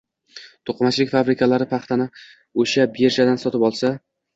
to‘qimachilik fabrikalari paxtani o‘sha birjada sotib olsa